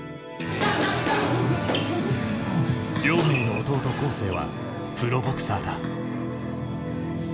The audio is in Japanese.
亮明の弟恒成はプロボクサーだ。